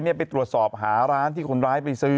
ไปตรวจสอบหาร้านที่คนร้ายไปซื้อ